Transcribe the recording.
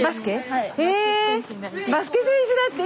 バスケ選手だって。